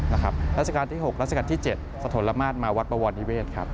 ราชการที่๖ราชการที่๗สะทนละมาตรมาวัดบวรนิเวศครับ